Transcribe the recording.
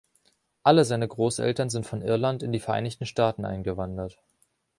Alle seine Großeltern sind von Irland in die Vereinigten Staaten eingewandert.